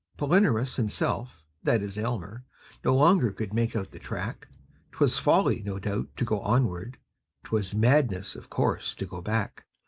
Palinurus himself that is Almer No longer could make out the track; 'Twas folly, no doubt, to go onward; 'Twas madness, of course, to go back.